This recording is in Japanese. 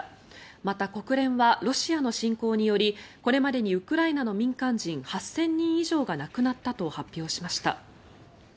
また、国連はロシアの侵攻によりこれまでにウクライナの民間人８０００人以上が亡くなったと発表しました。